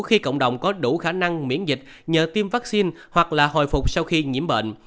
khi cộng đồng có đủ khả năng miễn dịch nhờ tiêm vaccine hoặc là hồi phục sau khi nhiễm bệnh